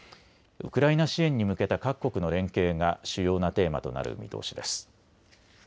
ウクライナ支援に向けた各国の連携が主要なテーマとなる見通しです。